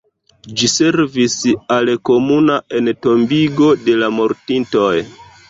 Ĝi servis al komuna entombigo de la mortintoj.